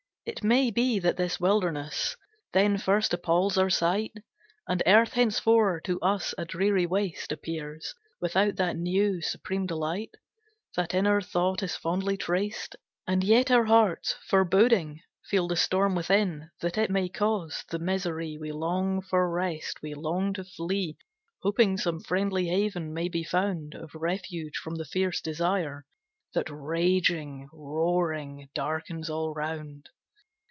It may be, that this wilderness Then first appals our sight; And earth henceforth to us a dreary waste Appears, without that new, supreme delight, That in our thought is fondly traced; And yet our hearts, foreboding, feel the storm Within, that it may cause, the misery. We long for rest, we long to flee, Hoping some friendly haven may be found Of refuge from the fierce desire, That raging, roaring, darkens all around.